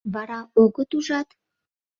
Вара огыт, ужат?